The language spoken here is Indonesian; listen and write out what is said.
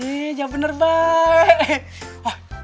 iya bener bang